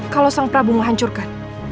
kalau sang prabu menghancurkan